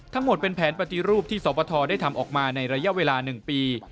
ทั้งหมดเป็นแผนปฏิรูปที่สวบทได้ทำออกมาในระยะเวลา๑ปี